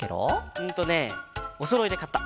うんとねおそろいでかった。